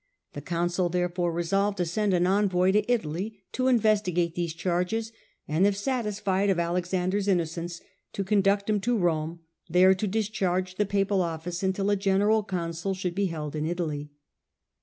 The council therefore resolved to send an envoy to Italy, to investigate these charges, and, if satisfied of Alexander's innocence, to conduct him to Rome, there to discharge the papal oflSce until a general council should be held in Italy.